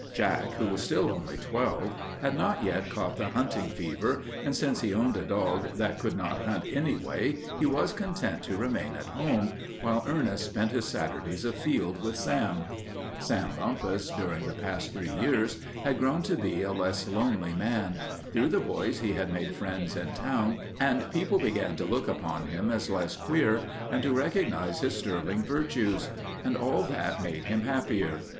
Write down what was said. Jack, who was still only twelve, had not yet caught the hunting fever, and since he owned a dog that could not hunt anyway, he was content to remain at home, while Ernest spent his Saturdays afield with Sam. Sam Bumpus, during the past three years, had grown to be a less lonely man. Through the boys he had made friends in town, and people began to look upon him as less queer and to recognize his sterling virtues. And all that made him happier.